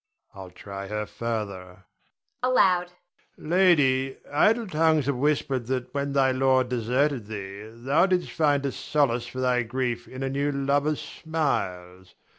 I'll try her further [aloud]. Lady, idle tongues have whispered that when thy lord deserted thee thou didst find a solace for thy grief in a new lover's smiles.